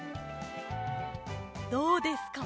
どうですか？